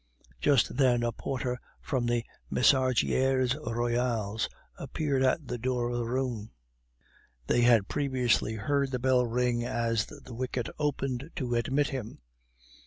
Just then a porter from the Messageries Royales appeared at the door of the room; they had previously heard the bell ring as the wicket opened to admit him.